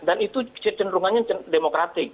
dan itu cenderungannya demokratik